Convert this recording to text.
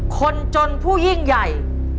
คนจนผู้ยิ่งใหญ่